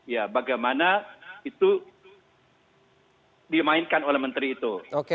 ya bagaimana itu dimainkan oleh menteri itu